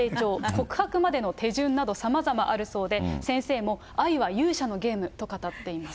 告白までの手順などさまざまあるそうで、先生も愛は勇者のゲームと語っています。